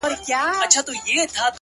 په گيلاس او په ساغر دي اموخته کړم؛